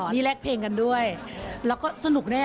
นี่แลกเพลงกันด้วยแล้วก็สนุกแน่